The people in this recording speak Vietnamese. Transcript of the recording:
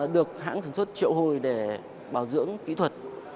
được hãng sản xuất triệu hồi để bảo dưỡng kỹ thuật